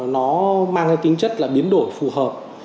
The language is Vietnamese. nó mang cái tính chất là biến đổi phù hợp